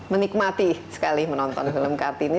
menikmati sekali menonton film kartini